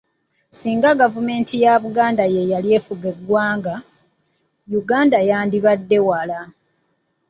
Singa gavumenti ya Buganda ye yali efuga eggwanga, Uganda yandibadde wala.